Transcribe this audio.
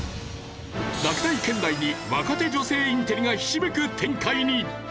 落第圏内に若手女性インテリがひしめく展開に！